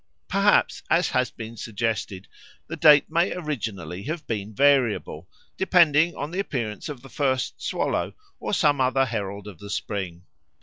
Perhaps, as has been suggested, the date may originally have been variable, depending on the appearance of the first swallow or some other herald of the spring.